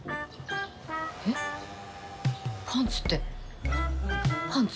えっパンツってパンツ？